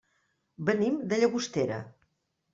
Venim de Llagostera.